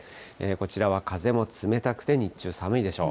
こちらは風も冷たくて、日中、寒いでしょう。